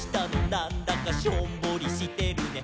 なんだかしょんぼりしてるね」